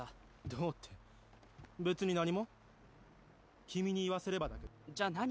どうって別に何も君に言わせればだけどじゃあ何？